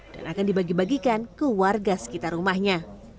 dan akan dibagi bagikan ke warga sekitar rumahnya